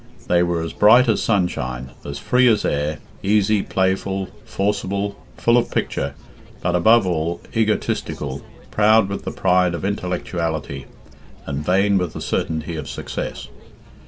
They were as bright as sunshine, as free as air, easy, playful, forcible, full of picture, but, above all, egotistical, proud with the pride of intellectuality, and vain with the certainty of success.